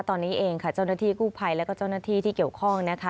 ตอนนี้เองค่ะเจ้าหน้าที่กู้ภัยแล้วก็เจ้าหน้าที่ที่เกี่ยวข้องนะคะ